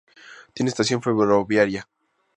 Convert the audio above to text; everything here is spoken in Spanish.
Tiene estación ferroviaria.